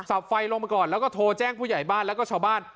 ไฟลงมาก่อนแล้วก็โทรแจ้งผู้ใหญ่บ้านแล้วก็ชาวบ้าน